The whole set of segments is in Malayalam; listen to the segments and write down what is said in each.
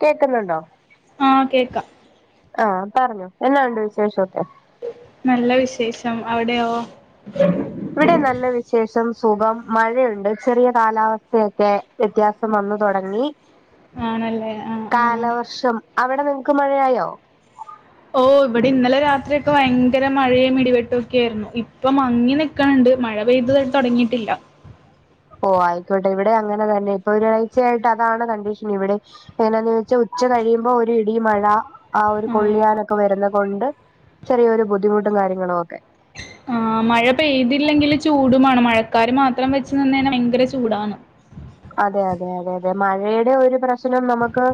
കേക്കുന്നുണ്ടോ? ആഹ് കേക്കാം. ആഹ് പറഞ്ഞോ എന്നാ ഉണ്ട് വിശേഷൊക്കെ? നല്ല വിശേഷം അവിടെയോ? ഇവിടിം നല്ല വിശേഷം, സുഖം, മഴയുണ്ട്, ചെറിയ കാലാവസ്ഥയൊക്കെ വ്യത്യാസം വന്നു തുടങ്ങി. ആണല്ലേ ആഹ് ആഹ് കാലവർഷം അവിടെ നിങ്ങക്ക് മഴയായോ? ഓഹ് ഇവിടെ ഇന്നലെ രാത്രിയൊക്കെ ഭയങ്കര മഴയും ഇടിവെട്ടൊക്കെ ആയിരുന്നു ഇപ്പം മങ്ങി നി ക്ക്ണ്ട് മഴ പെയ്ത് തൊടങ്ങിയിട്ടില്ല. ഓഹ് ആയിക്കോട്ടെ ഇവിടെ അങ്ങനെ തന്നെ ഇപ്പൊ ഒരാഴ്ചയായിട്ട് അതാണ് കണ്ടീഷൻ ഇവിടെ- എങ്ങനാന്ന് ചോയിച്ചാൽ ഉച്ച കഴിയുമ്പോ ഒരു ഇടി, മഴ. ആ ഒരു ആഹ് കൊള്ളിയാനൊക്കെ വരുന്ന കൊണ്ട് ചെറിയൊര് ബുദ്ധിമുട്ടും കാര്യങ്ങളും ഒക്കെ ആഹ് മഴ പെയ്തില്ലെങ്കിൽ ചൂടുമാണ് മഴക്കാര് മാത്രം വെച്ച് നിന്ന് കഴിഞ്ഞാ ഭയങ്കര ചൂടാണ്. അതെ അതെ അതെ അതെ മഴയുടെ ഒരു പ്രശ്നം നമക്ക്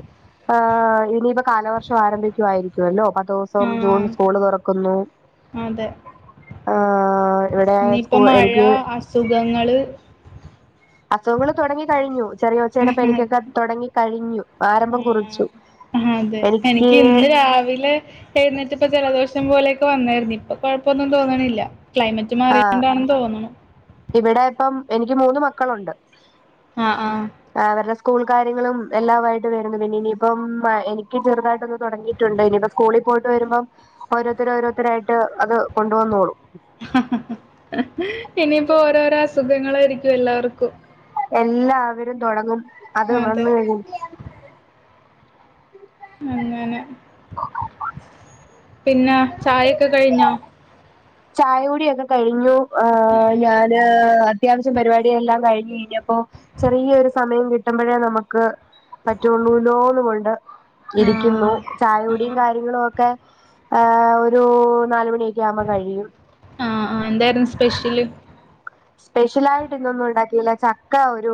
ആഹ് ഇനിയിപ്പം കാലവർഷം ആരംഭിക്കുവായിരിക്കുവല്ലോ പത്തോ സം ജൂൺ ആഹ് സ്കൂള് തുറക്കുന്നു. അതെ ആഹ് ഇവിടെ സ്കൂ എനിക്ക് സുഖങ്ങള് അസുഖങ്ങൾ തുടങ്ങി കഴിഞ്ഞു. ചെറിയ ഒച്ചടപ്പ എനിക്കൊക്കെ തുടങ്ങി കഴിഞ്ഞു ആരംഭം കുറിച്ചു അതെ എനിക്ക് എനിക്ക് ഇന്ന് രാവിലെ തരുന്നിട്ട ഇപ്പ ജലദോഷം പോലെയൊക്കെ വന്നായിരുന്നു ഇപ്പൊ കുഴപ്പൊന്നും തോന്നണില്ല ക്ലൈമറ്റ് ആഹ് മാറണ്ടാണ തോന്നണു ഇവിടെ ഇപ്പം എനിക്ക് മൂന്ന് മക്കളുണ്ട് ആഹ് ആഹ് അവരുടെ സ്കൂൾ കാര്യങ്ങളും എല്ലാമായിട്ട് വരുന്നു പിന്നെ ഇനിയിപ്പം എനിക്ക് ചെറുതായിട്ടൊന്ന് തുടങ്ങി ണ്ട് ഇനിയിപ്പോ സ്കൂളിൽ പോയിട്ട് വരുമ്പോ ഓരോരുത്തർ ഓരോത്തരായിട്ട് അത് കൊണ്ട് വന്നോളും ഇനിയിപ്പോ ഓരോരോ അസുഖങ്ങളായിരിക്കും എല്ലാവർക്കും എല്ലാവരും തുടങ്ങും അത് അതെ വന്നു കഴിഞ്ഞു അങ്ങനെ പിന്നെ ചായൊക്കെ കഴിഞ്ഞോ ചായ കുടിയൊക്കെ കഴിഞ്ഞു ആഹ് ഞാന് അത്യാവശ്യ പരിപാടിയെല്ലാം കഴിഞ്ഞ് കഴിഞ്ഞപ്പോ ചെറിയൊരു സമയം കിട്ടുമ്പോഴേ നമുക്ക് പറ്റുള്ളൂ ലോന്ന് കൊണ്ട് ഇരിക്കുന്നു ചായ ആഹ് കുടിയും ആഹ് കാര്യങ്ങളും ഒക്കെ ഏ ഒരു നാലുമണിയൊക്കെ ആവ്പോ കഴിയും ആഹ് ആഹ് എന്തായിരുന്നു സ്പെഷ്യല് സ്പെഷ്യല് ആയിട്ട് ഇന്നൊന്നും ഉണ്ടാക്കിയില്ല ചക്ക ഒരു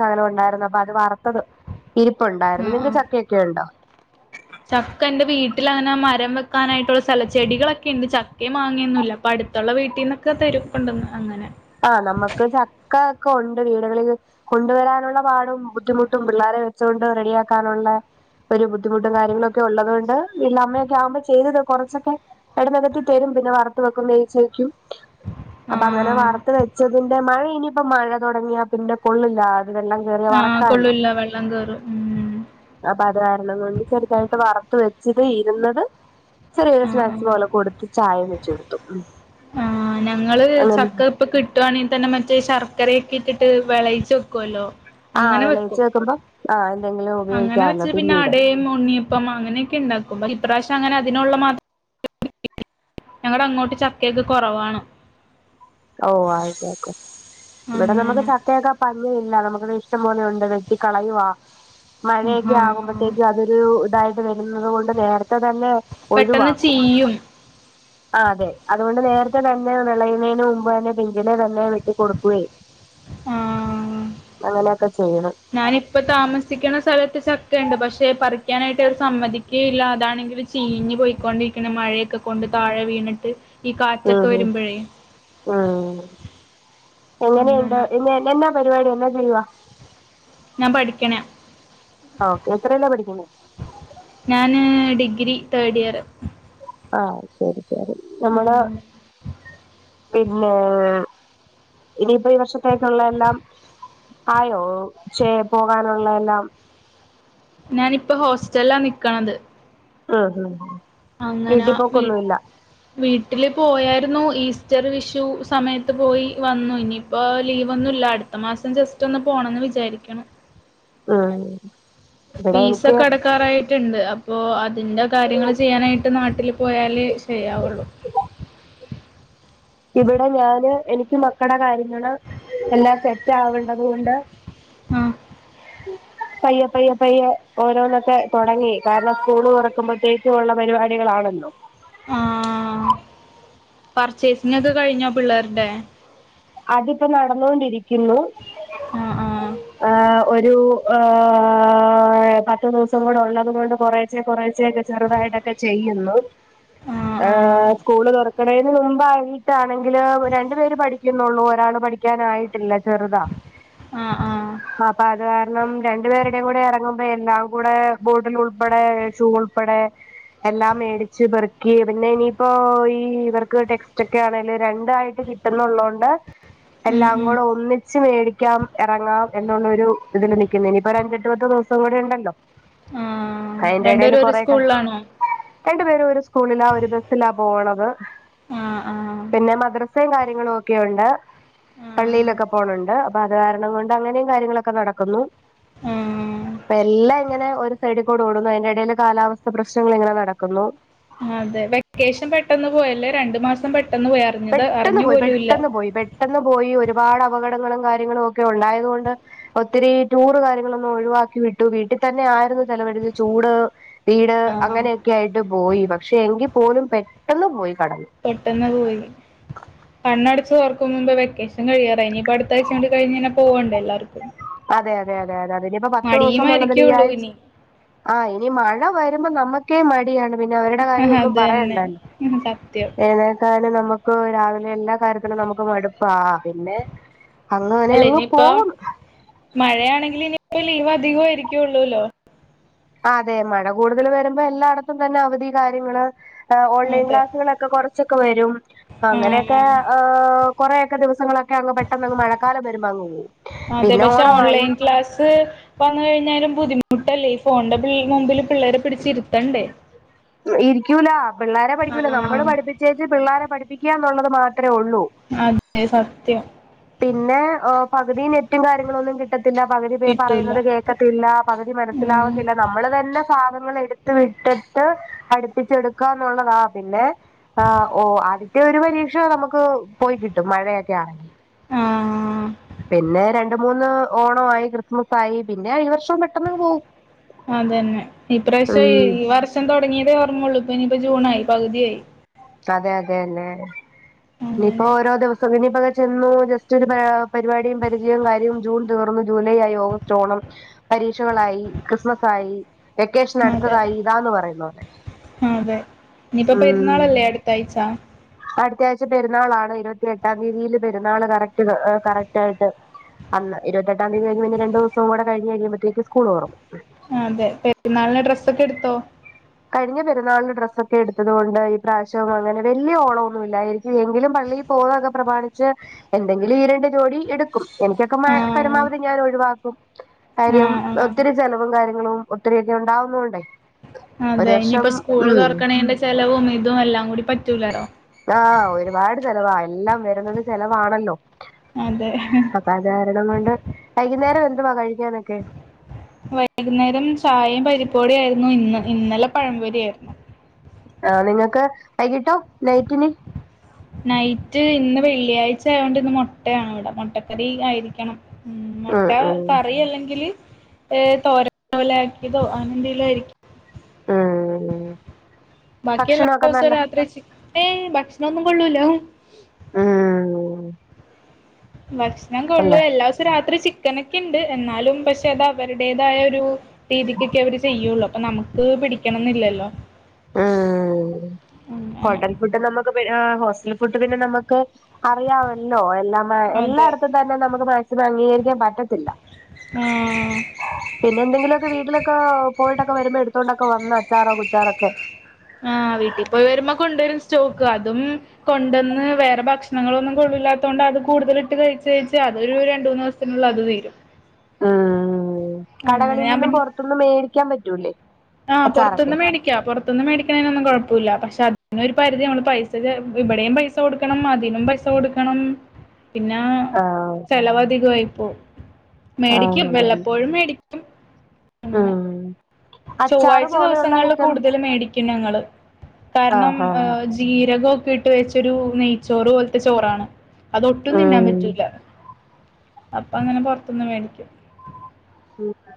ചകലം ഉണ്ടായിരുന്നു അപ്പൊ അത് വറുത്തത് ഇരിപ്പണ്ടായിരുന്നു ആഹ് നിങ്ക ആഹ് ചക്കയൊക്കെ ഉണ്ടോ ചക്ക എന്റെ വീട്ടിൽ അങ്ങനെ മരം വെക്കാനായിട്ടുള്ള സ്ഥലച്ചെടികളൊക്കെ ഉണ്ട് ചക്ക മാങ്ങിയൊന്നും ഇല്ല പ്പ അടുത്തുള്ള വീട്ടിൽന്നൊക്കെ തെരും കൊണ്ടന്ന് അങ്ങനെ ആഹ് നമുക്ക് ചക്ക ഒക്കെ ഉണ്ട് വീടുകളില് കൊണ്ടുവരാനുള്ള പാടും ബുദ്ധിമുട്ടും പിള്ളോരെ വെച്ചുകൊണ്ട് റെഡിയാക്കാനുള്ള ഒരു ബുദ്ധിമുട്ടും കാര്യങ്ങളൊക്കെ ഉള്ളത് കൊണ്ട് വീട്ടില് അമ്മയൊക്കെ ആവുമ്പൾ ചെയ്തത് കുറച്ചൊക്കെ എടനതട്ട് തരും പിന്നെ വർത്ത് വെക്കും വേവിച്ച്‌വക്കും അപ്പൊ അങ്ങനെ വർ ആഹ് തിന്റെ മഴ ഇനിയിപ്പ മഴ തുടങ്ങിയാ പിന്നെ കൊള്ളില്ല അത് വെള്ളം കേറിയ ആഹ് വറക്കാനേ കൊള്ളൂല്ല വെള്ളം കേറും അപ്പൊ അത് കാരണം കൊണ്ട് ചെറുതായിട്ട് വറുത്ത് വെച്ചിത് ഇരുന്നത് ചെറിയെ ആഹ് സ്നാക്സ് ആഹ് പോലെ കൊടുത്ത് ചായ വെച് കൊടുത്തു ഉം ആഹ് ഞങ്ങള് ചക്ക ഇപ്പൊ കിട്ടുവാണെങ്കിൽ തന്നെ മറ്റേ ശർക്കരയക്ക ഇട്ടിട്ട് വിളയിച്ച് വെക്കുവല്ലോ ആഹ് അങ്ങനെ വിളയിച്ച് വെക്കും വെക്കുമ്പോ ആ എന്തെങ്കിലും അങ്ങനെ ഉപയോഗിക്കാല്ലോ വെച്ച് പിന്നെ പിന്നീട് അടയും ഉണ്ണിയപ്പം അങ്ങനെയൊക്കെ ഉണ്ടാക്കും ഈ പ്രാവശം അങ്ങനെ അതിനുള്ള മാത്രം ഞങ്ങടെ അങ്ങോട്ട് ചക്കയക്കെ കുറവാണ് ഓ ആയിക്കോട്ടെ ഇവിടെ നമുക്ക് അങ്ങനെ ചക്കയൊക്കെ പഞ്ഞമില്ല നമുക്കിത് ഇഷ്ടം പോലെ ഉണ്ട് വെട്ടി കളയുവ മഴയൊക്കെ ആഹ് ആകുമ്പോഴത്തേക്കും അതൊരു ഇതായിട്ട് വരുന്നത് കൊണ്ട് നേരത്തെ തന്നെ പെട്ടെന്ന് ഒഴിവാക്കും ചീയും ആഹ് അതെ അതുകൊണ്ട് നേരത്തെ തന്നെ വിളയ്ന് മു - മ്പ് തന്നെ പിഞ്ചിലെ തന്നെ വെട്ടി കൊടുക്കുവേ ആഹ് അങ്ങനൊക്കെ ചെയ്യണം ഞാനിപ്പ താമസിക്കുന്ന സ്ഥലത്ത് ചക്കയിണ്ട് പക്ഷെ പറിക്കാനായിട്ട് അവര് സമ്മതി- കേല്ല അതാണെങ്കി ചീഞ് പോക്കൊണ്ടിരിക്കണ മഴയൊക്കെ കൊണ്ട് താഴെ വീണിട്ട് ഈ അഹ് കാറ്റൊക്കെ ഹ് വരുമ്പഴേ അഹ് എങ്ങനെയുണ്ട് അങ്ങനെ [unintelligible] എന്നാ പരിപാടി എന്ന ചെയ്യുവാ ഞാൻ പഠിക്കണേ. ആഹ് എത്രലാ പഠിക്കണെ? ഞാന് ഡിഗ്രി തേർഡ് ഇയർ. ആഹ് ശരി, ശരി നമ്മള് പിന്നെ. ഇനിയിപ്പ ഈ വർഷത്തേക്കുള്ള എല്ലാം. ആയോ ചേ പോകാനുള്ള എല്ലാം. ഞാനിപ്പ ഹോസ്റ്റലാ നിക്കണത്. ആഹ്, ആഹ് അങ്ങനെ വീ വീട്ടിപ്പോക്കൊന്നുല്ല. വീട്ടില് പോയായിരുന്നു ഈസ്റ്റർ വിഷു സമയത്ത് പോയി വന്നു ഇനിയിപ്പോ ലീവൊന്നുല്ല അട് ത്ത മാസം ജസ്റ്റ് ഒന്ന് പോണന്ന് വിചാരിക്കണു. ആഹ്. ഫീസൊകടക്ക ക്കാറായിട്ടുണ്ട് അപ്പോ അതിന്റെ കാര്യങ്ങള് ചെയ്യാനായിട്ട് നാട്ടിൽ പോയാലെ ശരിയാവുള്ളു. ഇവിടെ ഞാന് എനിക്ക് മക്കടെ കാര്യങ്ങള് എല്ലാം സെറ്റ് ആവണ്ടത് കൊണ്ട്. ആഹ്. ഉം. പയ്യപ്പയ്യപ്പയ്യെ ഓരോന്നൊക്കെ തൊടങ്ങി കാരണം സ്കൂള് തുറക്കുമ്പോഴത്തേക്കും ഒള്ള പരിപാടികളാണല്ലോ. ആ പർച്ചേസിങൊക്കെ കഴിഞ്ഞോ പിള്ളേരുടെ? അതിപ്പോ നടന്നോണ്ടിരിക്കുന്നു ആഹ് ആഹ് ആഹ് ഒരു. ആഹ്. പത്ത് ദിവസം കൂടെ ഒള്ളത്കൊണ്ട് കുറേച്ചേ കുറേച്ചേക്കെ ചെറുതായിട്ടൊക്കെ ചെയ്യുന്നു. ആഹ് ആഹ് സ്കൂള് തുറക്കണേന് മുമ്പായിട്ടാണെങ്കില് രണ്ടുപേര് പഠിക്ക പഠിക്കുന്നുള്ളൂ ഒരാള് പഠിക്കാനായിട്ടില്ല ചെറുതാ. ആഹ് ആഹ് അപ്പൊ അത് കാരണം രണ്ടു പേരുടെയും കൂടെ എറങ്ങുമ്പോ എല്ലാം കൂടെ ബോട്ടിൽ ഉൾപ്പെടെ ഷൂ ഉൾ ഉൾപ്പടെ. എല്ലാം മേടിച്ച് പെറുക്കി പിന്നെ ഇനിയിപ്പോ ഈ ഇവർക്ക് ടെക്സ്റ്റ് ഒക്കെ ആണെലും രണ്ടായിട്ട് കി ട്ടുന്നുള്ളോണ്ട് ഉം എല്ലാം ഉം കൂടെ ഒന്നിച്ച് മേടി ക്കാം, എറങ്ങാം എന്നുള്ള ഒരു ഇതില് നിക്കുന്നു ഇനിയിപ്പോ അഞ്ചെട്ട് പത്ത് ദിവസം കൂടി ഉണ്ടല്ലോ. ആഹ് അയിന്റെടെല് രണ്ടുപേരും ഒരു കൊറേ കഷ് സ്കൂളിലാണോ രണ്ടു പേരും ഒരു സ്കൂളിലാ ഒരു ബസ്സിലാ പോണത്. ആഹ് ആഹ് പിന്നെ മദ്രസയും കാര്യങ്ങളും ഒക്കെയുണ്ട്. ആഹ് പള്ളിയിലൊക്കെ പോണണ്ട്. അപ്പൊ അത് കാരണം കൊണ്ട് അങ്ങനെയും കാര്യങ്ങളൊക്കെ നടക്കുന്നു. ആഹ് അപ്പ എല്ലാം ഇങ്ങനെ ഒരു. സൈഡി കൂടെ ഓടുന്നു. അതിന്റെ എടേല് കാലാവസ്ഥ പ്രശ്നങ്ങൾ ഇങ്ങനെ നടക്കുന്നു. അതെ വെക്കേഷൻ പെട്ടെന്ന് പോയല്ലേ. രണ്ടു മാസം പെട്ടെന്ന് പോയാ പെട്ടെന്ന് പോയി, പെട്ടെന്ന് പോയി, പെട്ടെന്ന് പോയി. ഒരുപാട് അപകടങ്ങളും കാര്യങ്ങളും ഒക്കെ ഉണ്ടായത്കൊണ്ട്. ഒത്തിരി ടൂറ് കാര്യങ്ങളൊന്നും ഒഴിവാക്കി വിട്ടു. വീട്ടിതന്നെ ആയിരുന്നു ചെലവഴിച്ചത് ചൂട്. വീട് ആഹ് അങ്ങനെയൊക്കെ ആയിട്ട് പോയി പക്ഷെ എങ്കി പോലും പെട്ടെന്ന് പോയി കടന്നു. പെട്ടെന്ന് പോയി. കണ്ണടച്ച് തൊറക്കും മുമ്പെ വെക്കേഷൻ കഴിയാറായി. ഇനിയിപ്പ അടുത്താഴ്ചേ കൂടികഴിഞ്ഞഴിഞ്ഞ പോകണ്ടെ എല്ലർക്കും. അതെ, അതെ, അതെ, അതെ അതെ ഇനിയിപ്പ പത്തു ദിവസംന്നുള്ളതിൽ ഈ മടിയുമായിരിക്കുള്ളൂ ആഴ്ച. ഇനി ആഹ് ഇനി മഴ വരുമ്പോ നമ്മക്കേ മടിയാണ്. പിന്നെ അവരുടെ കാര്യം ഒന്നും അത് തന്നെ പറയണ്ടല്ല. സത്യം ഏത ക്കാനും നമുക്ക് രാവിലെ എല്ലാ കാര്യത്തിനും നമുക്ക് മടുപ്പാ. പിന്നെ. അങ്ങനെ അല്ല അങ്ങ് ഇനിയിപ്പ പോവും മഴയാണെങ്കിൽ ഇനിയിപ്പോ ലീവ് അധികമായിരിക്കള്ളൂല്ലോ. ആ തെ മഴ കൂടുതല് വെരുമ്പോ എല്ലാടെത്തും തെന്നെ അവധി കാര്യങ്ങള് ഏഹ് ഓൺലൈൻ അതെ ക്ലാസുകളൊക്കെ കൊർച്ചൊക്കെ വെരും. ആ പ്പങ്ങനെക്കാ ആ. എഹ് ഏഹ് കൊറെയെക്കെ ദിവസങ്ങളൊക്കെ അങ് പെട്ടെന്നങ്ങ് മഴക്കാലം വെരുമ്പോ അങ്ങ് പോവും. അതെ പിന്നെ പക്ഷെ ഓണമായി ഓൺലൈൻ ക്ലാസ് വന്ന് കഴിഞ്ഞാലും ബുദ്ധിമുട്ടല്ലേ ഈ ഫോണിന്റെ പിള് മുമ്പില് പിള്ളരെ പിടിച്ചിര്ത്തണ്ടേ. ഇരിക്ക്യൂല. പിള്ളേരെ ആ പഠിക്കൂല. നമ്മള് പഠിപ്പിച്ചേ ച്ച് പിള്ളാരെ പഠിപ്പിക്ക്യാ ന്നുള്ളത് മാത്രേ ഉള്ളൂ. അതെ സത്യം. പിന്നെ എഹ് പകുതി നെറ്റും കാര്യങ്ങളൊന്നും കിട്ടത്തില്ല. പകുതി പേ കിട്ടൂല പറയുന്നത് കേ കത്തില്ല. പകുതി ഉം. മനസ്സിലാാവത്തില്ല. നമ്മള് തന്നെ ഭാഗങ്ങളെട്ത്ത് വിട്ട്ട്ട് അടിപ്പിച്ചെടുക്കാ ന്നുള്ളതാ. പിന്നെ ആഹ് ഓഹ് ആദ്യത്തെ ഒരു പരീക്ഷ നമക്ക് പോയി കിട്ടും മഴയൊക്കാണെങ്കി. ആഹ് പിന്നെ രണ്ട് മൂന്ന് ഓണവായി ക്രിസ്മസായി പിന്നെ ഈ വർഷോം പെട്ടെന്നങ്ങ്പോവും. അതെന്നെ. ഈപ്രാവശ്യം ഈ വർഷം തൊടങ്ങിയതേ ഓർമ്മൊള്ളൂ ഇപ്പ ഇനിയിപ്പ ജൂണായി പകുതിയായി. അതെ അതെന്നെ. ഇനിയിപ്പോ അങ്ങനെ ഓരോ ദിവസവും ഇനിയിപങ് ചെന്ന് ജസ്റ്റൊര് പര പരിവാടിയും പരിചയവും കാര്യോം ജൂൺ തീർന്നു ജൂലൈ ആയി ഓഗസ്റ്റ് ഓണം. പരീക്ഷകളായി ക്രിസ്മസായി. അതെ വെക്കേഷനട്ത്തതായി. ഇതാന്ന് പറയുന്ന പോലെ. ഉം തൈയ്ച്ച. അട്ത്തയാഴ്ച പെര്ന്നാളാണ് ഇരുപത്തി എട്ടാം തീയതിയില് പെര്ന്നാള് കറക്റ്റ് ഏഹ് കറക്റ്റായിട്ട് അന്ന് ഇരുപത്തെട്ടാംയതി കഴിഞ് പിന്നെ രണ്ട് ദിവസോം കൂടെ കഴഞ്ഞ് കഴിയുമ്പഴത്തേക്ക് സ്കൂള് തൊറക്കും. അതെ പെര്ന്നാളിന് ഡ്രസ്സൊക്കെട്ത്തോ? കഴിഞ്ഞ പെര്ന്നാളിന് ഡ്രസ്സൊക്കെ ട്ത്തത്കൊണ്ട് ഈ പ്രാവശ്യൊന്നങ്ങനെ വെല്യ ഓളൊന്നുല്ല എനിക്ക് എങ്കിലും പള്ളി പോവാക്കെ പ്രമാണിച്ച് എന്തെങ്കിലും ഈ രണ്ട് ജോടി എട് ക്കും എനിക്കൊക്കെ [unintelligible] ആഹ് പരമാവധി ഞാനൊഴിവാക്കും കാര്യം ആഹ് ആഹ് ഒത്തിരി ചെലവും കാര്യങ്ങളും ഒത്തിരിയൊക്കെ ണ്ടാവുന്നോണ്ടേ അതെ ഇനിയിപ്പോ സ്കൂള് തൊറക്ക്ണെന്റെ ചെലവും ഇതും എല്ലാം കൂടി പറ്റൂലല്ലോ. ആഹ് ഒരുപാട് ചെലവാ എല്ലാം വരുന്നത് ചെലവാണല്ലോ. അതെ അപ്പ അതാ രണം കൊണ്ട്. വൈകുന്നേരം എന്തുവാ കഴിക്കാനൊക്കെ? വൈകുന്നേരം ചായേം പരിപ്പ് വടേയിരുന്നു ഇന്ന് ഇന്നലെ പഴംപൊരിയായിരുന്നു. ആഹ് നിങ്ങക്ക് വൈകിട്ടോ നൈറ്റിന്? നൈറ്റ് ഇന്ന് വെള്ളിയാഴ്ച്ചായൊണ്ട് ഇന്ന് മൊട്ടേണ് വടെ. മൊട്ടക്കറി ആയിരിക്കണം. ഉം മൊട്ട കറി അല്ലെങ്കില് ഏഹ് തോരനെ പോലാക്ക്യതോ അങ്ങനെന്തേലു ആയിരിക്കും. ഉം ഉം ബാക്കിയെല്ലാ ദിവസോം രാത്രി ചി ഏഹ് ഭക്ഷണൊന്നും കൊള്ളൂല. ഉം ഭക്ഷണം കൊള്ളൂ അല്ലേ എല്ലാ സോം രാത്രി ചി ക്കനക്കെണ്ട് എന്നാലും പക്ഷെ അത് അവരുടേതായൊരു രീതിക്കെക്കെ അവര് ചെയ്യൊള്ളു. അപ്പൊ നമ്മക്ക് പിടിക്കണംന്നില്ലല്ലോ. ഉം അങ്ങനെ ഹോട്ടൽ ഫുഡ് നമക്ക് പിന്നെ ഏഹ് ഹോസ്റ്റൽ ഫുഡ് പിന്നെ നമക്ക് അറിയാവല്ലോ എല്ലാം എഹ അതെ എല്ലായിടത്തും തന്നെ നമക്ക് മാക്സിമം അംഗീകരിക്കാൻ പറ്റത്തില്ല. ഉം പിന്നെ എന്തെങ്കിലൊക്കെ വീട്ടിലൊക്കെ പോയിട്ടൊക്കെ വെരുമ്പോ എട്ത്തോണ്ടൊക്കെ വന്ന് അച്ചാറോ കുച്ചാറൊക്കെ. ആഹ് വീട്ടിൽ പോയി വരുമ്പോൾ കൊണ്ടുവരും സ്റ്റോക്ക് അതും കൊണ്ടന്ന് വേറെ ഭക്ഷണങ്ങള് ഒന്നും കൊള്ളില്ലാത്തു കൊണ്ട് അത് കൂടുതൽ ഇട്ട് കഴിച്ച് കഴിച്ച് അതൊരു രണ്ട് മൂന്ന് ദിവസം ത്തിനുള്ളിൽ അത് തീരും അഹ് അങ്ങനെ കടകളിൽ ഞാൻ നിന്നും പിന്നെ പുറത്തൊന്നും മേടിക്കാൻ പറ്റൂല്ലേ ആഹ് പുറത്തുന്ന് മേടി ക്കാം പുറത്തൊന്നും മേടിക്കുന്നതിനൊന്നും കുഴപ്പല്ല പക്ഷെ അതിനൊരു പരിധി നമ്മള് പൈസ ചെല ഇവിടെയും പൈസ ഇവിടെയും പൈസ കൊടുക്കണം അതിനും പൈസ കൊടുക്കണം പിന്നെ ആഹ് ചിലവധികമായിപ്പോകും ആഹ് മേടിക്കും വെല്ലപ്പോഴും മേടിക്കും അങ്ങനെ ആഹ് ചൊവ്വാഴ്ച ദിവസങ്ങളിൽ കൂടുതല് മേടിക്കും ഞങ്ങള് കാരണം ആഹ് ആഹ് ഏഹ് ജീരകൊക്കെ ഇട്ട് വെച്ചൊരു നെയ്ച്ചോറ് പോലത്തെ ചോറാണ് അതൊട്ടും തിന്നാൻ ഉം പറ്റൂല അപ്പൊ അങ്ങനെ പൊറത്തൂന്ന് മേടിക്കും മ്മ്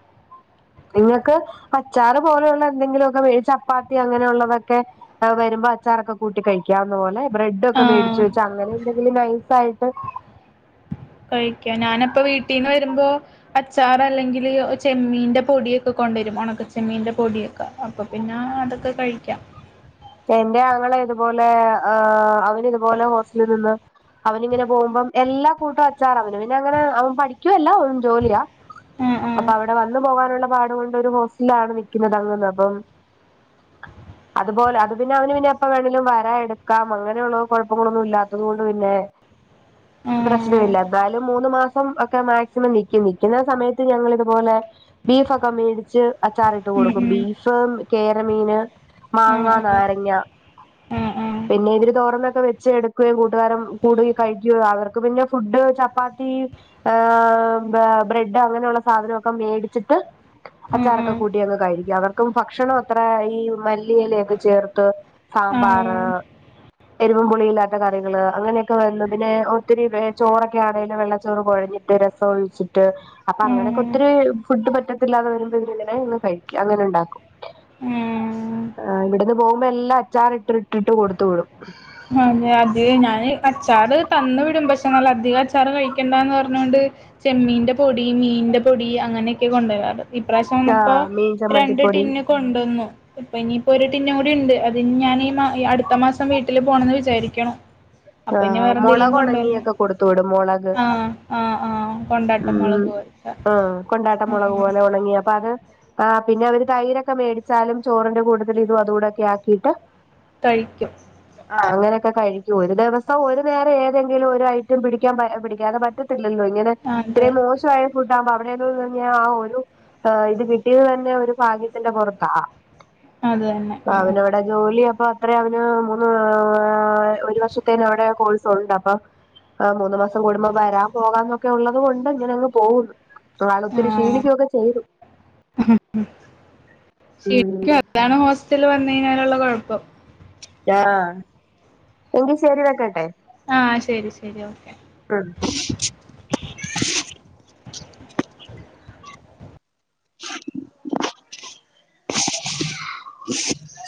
നിങ്ങക്ക് അച്ചാറ് പോലെയുള്ള എന്തെങ്കിലുമൊക്കെ വേ ചപ്പാത്തി അങ്ങനെയുള്ളതൊക്കെ ആഹ് വരുമ്പോ അച്ചാറൊക്കെ കൂട്ടി കഴിക്കാവുന്ന പോലെ ബ്രെഡൊക്കെ മേടിച്ച് ആഹ് വെച്ച് അങ്ങനെ എന്തെങ്കിലും നൈസ് ആയിട്ട് കഴിക്കാൻ ഞാനപ്പ വീട്ടീന്ന് വരുമ്പോ അച്ചാർ അല്ലെങ്കില് ചെമ്മീന്റെ പൊടിയൊക്കെ കൊണ്ടുവരും ഉണക്ക ചെമ്മീന്റെ പൊടിയൊക്കെ അപ്പൊ പിന്നെ അതൊക്കെ കഴിക്കാം എന്റെ ആങ്ങള ഇതുപോലെ ആഹ് അവന് ഇതുപോലെ ഹോസ്റ്റലിൽ നിന്ന് അവൻ ഇങ്ങനെ പോകുമ്പം എല്ലാ കൂട്ടം അച്ചാറ് അവന് പിന്നെ അങ്ങനെ അവൻ പഠിക്കുവല്ല അവൻ ജോലിയാ അപ്പൊ ആഹ് അവിടെ വന്നു പോകാനുള്ള പാടു കൊണ്ട് ഒരു ഹോസ്‌ [unintelligible] പിന്നെ അവന് പിന്നെ എപ്പം വേണെങ്കിലും വരാം എടുക്കാം അങ്ങനെയുള്ള കുഴപ്പങ്ങളൊന്നും ഇല്ലാത്തത് കൊണ്ട് പിന്നെ ആഹ് ആഹ് പ്രശ്നമില്ല എന്തായാലും മൂന്ന് മാസം ഒക്കെ മാക്സിമം നി നിക്കും നിക്കുന്ന സമയത്ത് ഞങ്ങള് ഇതുപോലെ ബീഫൊക്കെ മേടിച്ച് അച്ചാറിട്ട് ഉം കൊടുക്കും ബീ ബീഫ് കേരമീന് ഉം മാങ്ങ ആഹ് നാരങ്ങ ങ്ങ ആഹ് ആഹ് പിന്നെതൊരു തോരനോക്കെ വെച്ച് എടു കൂട്ടുകാരും കൂടി കഴിക്കുവോ അവർക്ക് പിന്നെ ഫുഡ് ചപ്പാത്തി ഏഹ് ബ്ര ബ്രഡ് അങ്ങനെയുള്ള സാധനമൊക്കെ മേടിച്ചിട്ട് ആഹ് അച്ചാറൊക്കെ കൂട്ടിയൊക്കെ കഴിക്കും അവർക്കും ഭക്ഷണം അത്ര ഈ മല്ലിയില ഒക്കെ ചേർത്ത് ത്ത് ആഹ് സാമ്പാറ് ആഹ് എരിവും പുളിയില്ലാത്ത കറികള് അങ്ങനെയൊക്കെ വന്നു പിന്നെ ഒത്തിരി ചോറൊക്കെ ആണേലും വെള്ളച്ചോറ് കൊഴഞ്ഞ് രസം ഒഴിച്ചിട്ട് അപ്പൊ അങ്ങനൊക്കെ ആഹ് ഒത്തിരി ഫുഡ് പറ്റത്തില്ലാതെ വരുമ്പോ ഇവരിങ്ങനെ ഇരുന്നു കഴിക്കും അങ്ങനെ ഉണ്ടാക്കും മ്മ് ആഹ് ഇവിടുന്ന് പോകുമ്പോ എല്ലാം അച്ചാറിട്ട് ഇട്ടിട്ട് കൊടുത്തു വിടും അഹ് അതെ അധികം ഞാന് അച്ചാറ് തന്ന് വിടും പക്ഷെ നല്ല അധികം അച്ചാറ് കഴിക്കണ്ടാന്ന് പറഞ്ഞോണ്ട് ചെമ്മീന്റെ പൊടി മീന്റെ പൊടി അങ്ങനെയൊക്കെ കൊണ്ടുവരാറ് ഇപ്രാവിശ്യം വന്നപ്പോ ആഹ് മീൻ രണ്ട് ചമ്മന്തിപ്പൊടി ടിന്ന് കൊണ്ടുവന്നു ഇപ്പൊ ഇനിയിപ്പൊ ഒരു ടിന്ന് കൂടി ഉണ്ട് അതിനി ഞാൻ ഈ മാ അടുത്ത മാസം വീട്ടില് പോണം ന്ന് വിചാരിക്കണു അപ്പൊ ഇനി ആഹ് വേറെന്തെലും മുളക് കൊണ്ടുവരണം ഉണങ്ങിയൊക്കെ കൊടുത്തു വിടും മുളക് ആഹ് ആഹ് ആഹ് കൊണ്ടാട്ടം ഉം മുളക് പോലെ ആഹ് കൊണ്ടാട്ടം മുളക് പോലെ ഉണങ്ങി അപ്പൊ അത് ആഹ് പിന്നെ അവര് തൈരൊക്കെ മേടിച്ചാലും ചോറിന്റെ കൂട്ടത്തിൽ ഇതും അതുകൂടെക്കെ ആക്കിയിട്ട് തയിക്കും ആഹ് അങ്ങനൊക്കെ കഴിക്കൂ ഒരു നേരം ഒരു നേരം ഏതെങ്കിലും ഒരു ഐറ്റം പിടിക്കാൻ എഹ് പിടിക്കാതെ പറ്റത്തില്ലല്ലോ ഇങ്ങനെ അതെ ഇത്രയും മോശ് ശായ ഫുഡ് ആവുമ്പൊ അവിടെയെന്നും ഇഹ് ഞാ ആ ഒരു ആഹ് ഇത് കിട്ടിയത് തന്നെ ഒരു ഭാഗ്യത്തിന്റെ പൊറത്താ അത് തന്നെ അവനവിടെ ജോലി അപ്പ അത്രെ അവന് മൂന്ന് ഒരു വർഷ ത്തിനവിടെ ആ കോഴ്സ് ഉണ്ട് അപ്പൊ ആ മൂന്ന് മാസം കൂടുമ്പോ വരാം പോകാന്നൊക്കെ ഉള്ളത് കൊണ്ട് അങ്ങനെ അങ്ങ് പോവുന്നു ഒ ആള് ഒത്തിരി ആഹ് ക്ഷീണിക്കൊക്കെ ചെയ്തു ശരിക്കും അതാണ് ഹോസ്റ്റല് വന്നയ്നാലുള്ള കൊഴപ്പം ഞ്ഹാ എങ്കി ശെരി വെക്കട്ടെ ആഹ് ശെരി ശെരി ഓക്കെ ഉം [inaudible]